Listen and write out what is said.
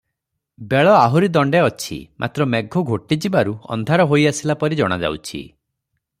ବେଳ ଆହୁରି ଦଣ୍ତେ ଅଛି, ମାତ୍ର ମେଘ ଘୋଟିଥିବାରୁ ଅନ୍ଧାର ହୋଇ ଆସିଲା ପରି ଜଣାଯାଅଛି ।